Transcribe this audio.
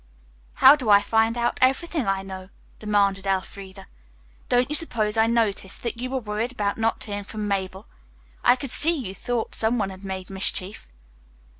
"How do I find out everything I know?" demanded Elfreda. "Don't you suppose I noticed that you were worried about not hearing from Mabel? I could see you thought some one had made mischief."